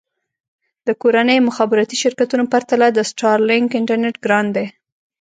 د کورنیو مخابراتي شرکتونو پرتله د سټارلېنک انټرنېټ ګران دی.